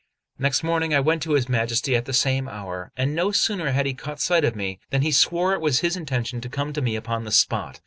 Next morning I went to his Majesty at the same hour; and no sooner had he caught sight of me, than he swore it was his intention to come to me upon the spot.